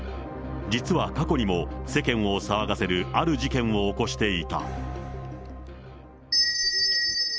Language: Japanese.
実は過去にも、世間を騒がせるある事件を起こしていた。